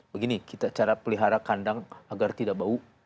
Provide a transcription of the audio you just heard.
begini kita cara pelihara kandang agar tidak bau